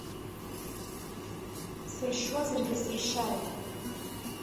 Сыршьуазаргьы сыршьааит.